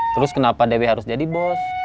terus kenapa dewi harus jadi bos